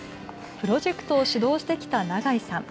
プロジェクトを主導してきた長井さん。